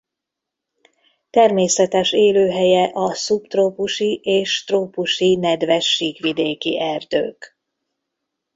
Természetes élőhelye a szubtrópusi és trópusi nedves síkvidéki erdők.